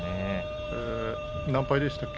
何敗でしたっけ？